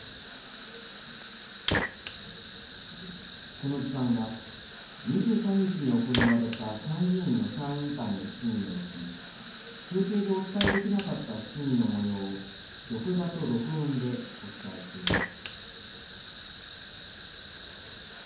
この時間は、２３日に行われた参議院予算委員会の質疑のうち、中継でお伝えできなかった質疑のもようを録画と録音でお伝えしています。